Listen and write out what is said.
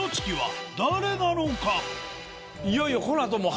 いよいよ。